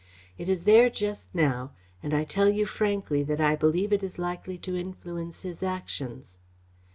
It is there just now, and I tell you frankly that I believe it is likely to influence his actions."